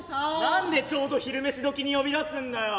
「何でちょうど昼飯時に呼び出すんだよ？」。